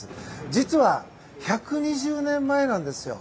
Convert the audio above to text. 実は１２０年前なんですよ。